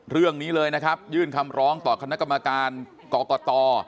เรื่องนี้เลยนะครับยื่นคำร้องต่อคณะกรรมการกรกต